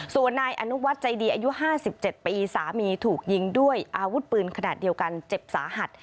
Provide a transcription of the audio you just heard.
ส่วนนายอนุวัฒน์ใจดีอายุ๕๗ปีสามีถูกยิงด้วยอาวุธปืนขนาดเดียวกันเจ็บสาหัส